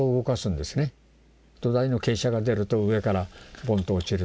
土台の傾斜が出ると上からボンと落ちるという。